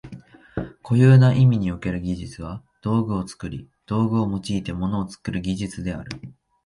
固有な意味における技術は道具を作り、道具を用いて物を作る技術である。